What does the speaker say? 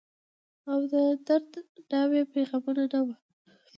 او دردڼاوو پیغامونه، نه وه